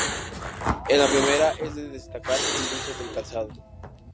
En la primera es de destacar su industria del calzado.